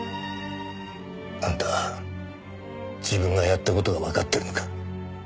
あんた自分がやった事がわかってるのか？